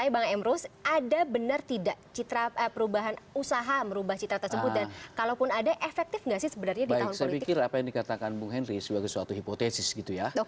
baik saya pikir apa yang dikatakan bung henry sebagai suatu hipotesis gitu ya